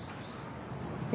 え。